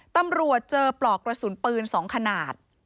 ตำรวจเจอปลอกกระสุนปืน๒ขนาด